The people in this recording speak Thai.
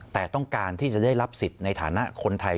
แต่ต้องการที่จะได้รับสิทธิ์ในฐานะคนไทย